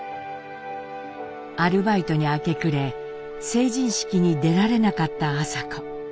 アルバイトに明け暮れ成人式に出られなかった麻子。